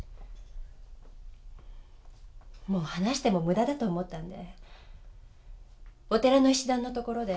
もう話しても無駄だと思ったんでお寺の石段のところで。